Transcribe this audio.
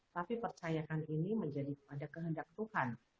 tapi percayakan ini menjadi pada kehendak tuhan